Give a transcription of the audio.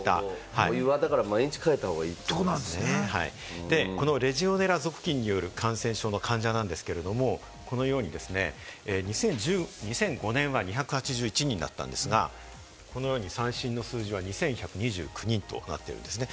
お湯は毎日替えた方がいいっレジオネラ属菌による感染症の患者なんですけれども、このように２００５年は２８１人だったんですが、最新の数字は２１２９人となってるんですね。